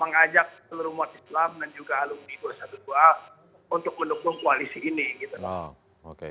yang pertama yang kedua tidak mendukung ahok